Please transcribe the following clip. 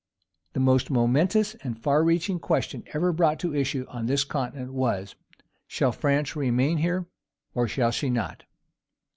The most momentous and far reaching question ever brought to issue on this continent was: Shall France remain here, or shall she not?